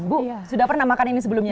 bu sudah pernah makan ini sebelumnya